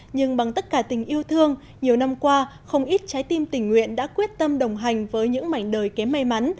nhưng bằng tất cả tình yêu thương nhiều năm qua không ít trái tim tình nguyện đã quyết tâm đồng hành với những mảnh đời kém may mắn